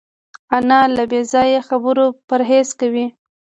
انا له بېځایه خبرو پرهېز کوي